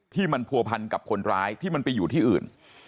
ที่มันผัวพันกับคนร้ายที่มันไปอยู่ที่อื่น